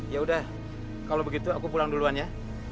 ya udah kalau begitu aku pulang duluan ya